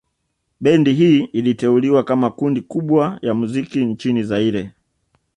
Bendi hii iliteuliwa kama kundi kubwa ya muziki nchini Zaire